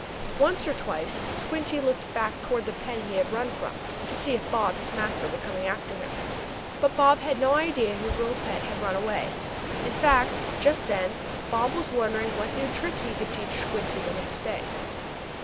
Once or twice Squinty looked back toward the pen he had run away from, to see if Bob, his master, were coming after him. But Bob had no idea his little pet had run away. In fact, just then, Bob was wondering what new trick he could teach Squinty the next day.